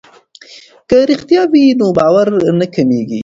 که رښتیا وي نو باور نه کمیږي.